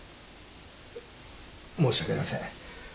申し訳ありません。